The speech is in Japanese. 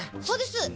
そうです。